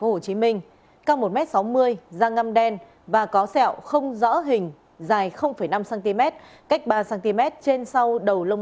hồ chí minh cao một m sáu mươi da ngâm đen và có sẹo không rõ hình dài năm cm cách ba cm trên sau đầu lông